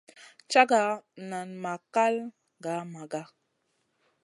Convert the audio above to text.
Caga nan ma kal gah Maga.